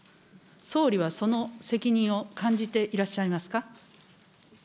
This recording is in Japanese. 総理はその責任を感じていらっしゃいますか。